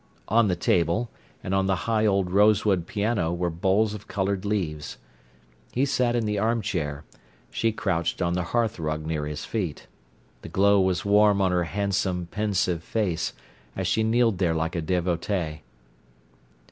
On the table and on the high old rosewood piano were bowls of coloured leaves. He sat in the armchair, she crouched on the hearthrug near his feet. The glow was warm on her handsome, pensive face as she kneeled there like a devotee.